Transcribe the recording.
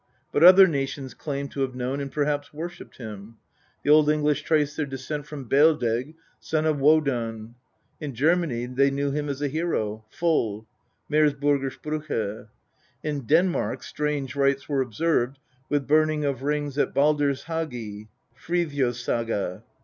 But other nations claim to have known, and perhaps worshipped him; the Old English trace their descent from Baeldseg, son of Wodan ; in Germany they knew him as a hero, Phol (Mersburger Spruche) ; in Denmark strange rites were observed, with burning of rings at Baldershagi (Friftofssaga).